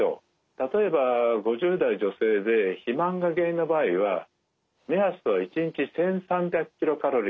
例えば５０代女性で肥満が原因の場合は目安は１日１，３００ｋｃａｌ